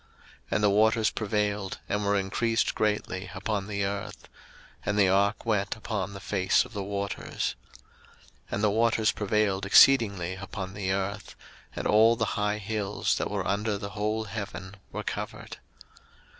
01:007:018 And the waters prevailed, and were increased greatly upon the earth; and the ark went upon the face of the waters. 01:007:019 And the waters prevailed exceedingly upon the earth; and all the high hills, that were under the whole heaven, were covered.